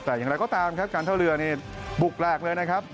แต่อย่างไรก็ตามครับการท่าเรือนี่บุกแหลกเลยนะครับ